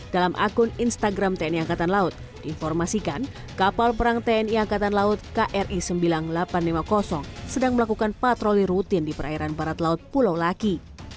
dalam akun instagram tni angkatan laut diinformasikan kapal perang tni angkatan laut kri sembilan ribu delapan ratus lima puluh sedang melakukan patroli rutin di perairan barat laut pulau laki